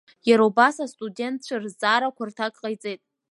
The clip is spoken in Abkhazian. Иара убас астудентцәа рызҵаарақәа рҭак ҟаиҵеит.